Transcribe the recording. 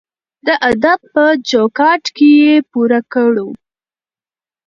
د ادب په چوکاټ کې یې پوره کړو.